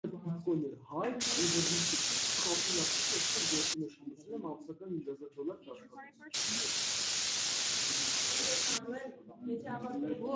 Waukesha County had both an executive and an administrator.